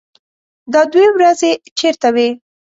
_دا دوې ورځې چېرته وې؟